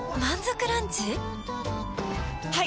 はい！